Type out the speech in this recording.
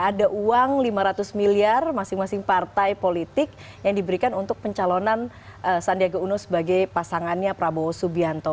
ada uang lima ratus miliar masing masing partai politik yang diberikan untuk pencalonan sandiaga uno sebagai pasangannya prabowo subianto